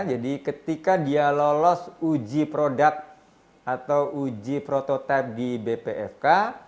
jadi ketika dia lolos uji produk atau uji prototipe di bpfk